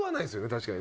確かに。